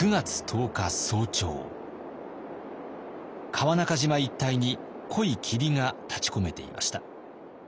川中島一帯に濃い霧が立ちこめていました。